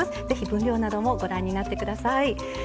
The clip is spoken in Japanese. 是非分量などもご覧になって下さい。